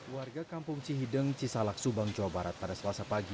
warga kampung cihideng cisalak subang jawa barat pada selasa pagi